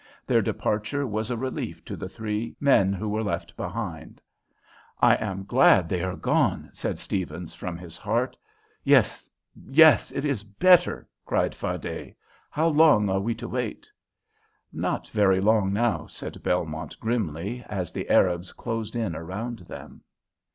Their departure was a relief to the three men who were left. "I am glad they are gone," said Stephens, from his heart. "Yes, yes, it is better," cried Fardet. "How long are we to wait?" "Not very long now," said Belmont, grimly, as the Arabs closed in around them.